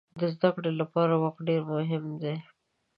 د زده کړې لپاره وخت ډېر مهم دی.